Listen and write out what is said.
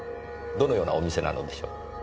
どのようなお店なのでしょう？